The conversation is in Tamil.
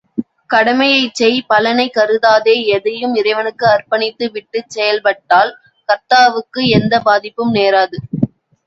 கடமையைச் செய் பலனைக்கருதாதே எதையும் இறைவனுக்கு அர்ப்பணித்து விட்டுச்செயல்பட்டால் கர்த்தாவுக்கு எந்தப் பாதிப்பும் நேராது.